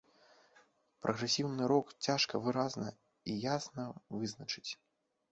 Прагрэсіўны рок цяжка выразна і ясна вызначыць.